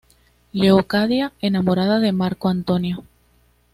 Leocadia: Enamorada de Marco Antonio.